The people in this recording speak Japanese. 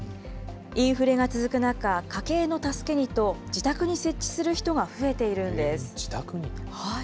インフレが続く中、家計の助けにと、自宅に設置する人が増えているんです。